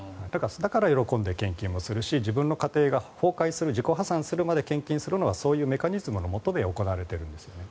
だから、喜んで献金もするし自分の家庭が崩壊する自己破産するまで献金するのはそういうメカニズムのもとで行われているんですよね。